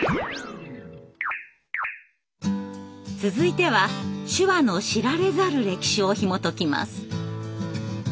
続いては手話の知られざる歴史をひもときます。